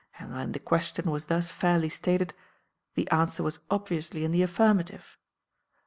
And when the question was thus fairly stated, the answer was obviously in the affirmative.